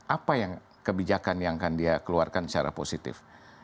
apa yang kebijakan yang akan dia keluarkan secara positif